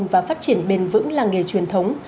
và giữ vững làng nghề truyền thống